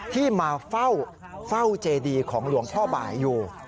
ที่มาเฝ้าเจดีของหลวงพ่อบ่ายอยู่